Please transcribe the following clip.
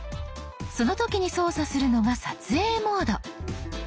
その時に操作するのが撮影モード。